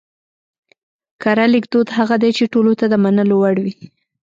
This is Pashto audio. کره ليکدود هغه دی چې ټولو ته د منلو وړ وي